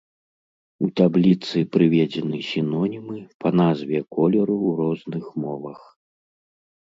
У табліцы прыведзены сінонімы па назве колеру ў розных мовах.